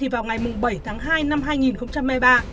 vào ngày bảy tháng hai năm hai nghìn hai mươi ba